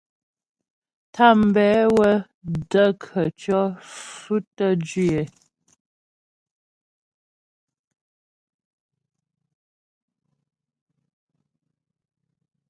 Tàmbɛ wə də́ khətʉɔ̌ fʉtəm jwǐ é.